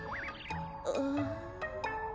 ああ。